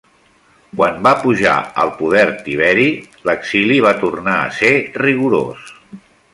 Quan va pujar al poder Tiberi, l'exili va tornar a ser rigorós.